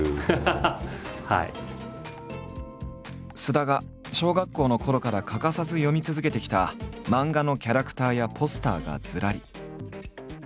菅田が小学校のころから欠かさず読み続けてきた漫画のキャラクターやポスターがずらり。